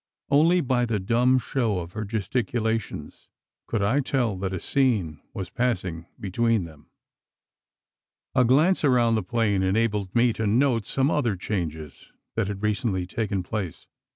Only by the dumb show of her gesticulations, could I tell that a scene was passing between them. A glance around the plain enabled me to note some other changes that had recently taken place.